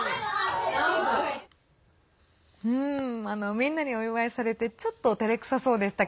みんなにお祝いされてちょっとてれくさそうでした